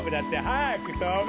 はやくとべ！